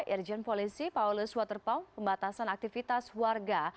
urgent policy paulus waterpong pembatasan aktivitas warga